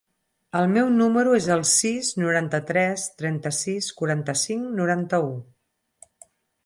El meu número es el sis, noranta-tres, trenta-sis, quaranta-cinc, noranta-u.